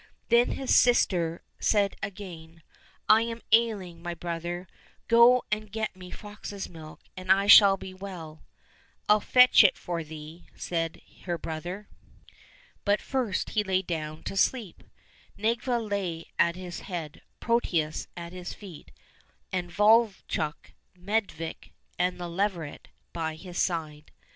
Then his sister said again, " I am ailing, my brother ; go and get me fox's milk, and I shall be well."—" I'll fetch it for thee," said her brother. 1 Little Bear. 69 COSSACK FAIRY TALES But first he lay down to sleep. Nedviga lay at his head, Protius at his feet, and Vovchok, Medvedik, and the leveret by his side.